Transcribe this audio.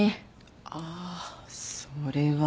ああそれは。